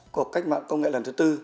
của cách mạng công nghệ lần thứ tư